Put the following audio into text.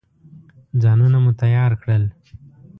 ځانونه مو تیار کړل.